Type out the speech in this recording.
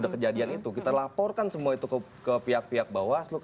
kita laporkan semua itu ke pihak pihak bawah